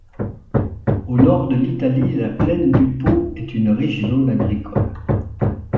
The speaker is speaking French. Au nord de l'Italie la plaine du Pô est une riche zone agricole.